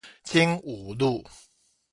經武路